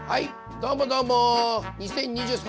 どうもどうも！